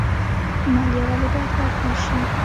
مالیه ولې باید ورکړل شي؟